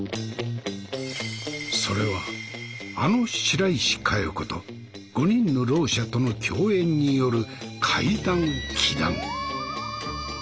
それはあの白石加代子と５人のろう者との共演による怪談・奇談。